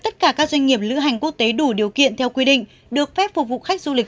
tất cả các doanh nghiệp lữ hành quốc tế đủ điều kiện theo quy định được phép phục vụ khách du lịch